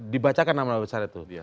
dibacakan nama besar itu